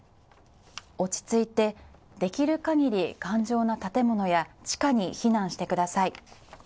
落ち着いて、できる限り頑丈な建物や地下に避難してください。